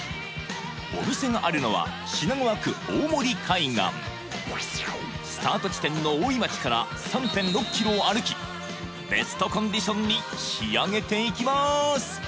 お店があるのは品川区大森海岸スタート地点の大井町から３．６キロを歩きベストコンディションに仕上げていきます